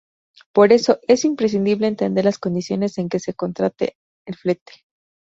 Por eso, es imprescindible entender las condiciones en que se contrata el flete.